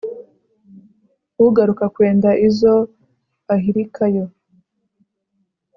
Ugaruka kwenda izo ahirikayo